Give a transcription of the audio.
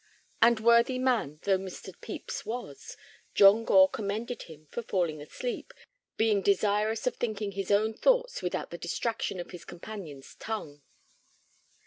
And worthy man though Mr. Pepys was, John Gore commended him for falling asleep, being desirous of thinking his own thoughts without the distraction of his companion's tongue.